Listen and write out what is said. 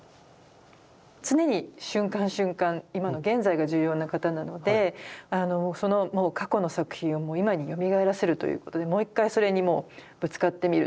常に瞬間瞬間今の現在が重要な方なので過去の作品を今によみがえらせるということでもう一回それにぶつかってみる。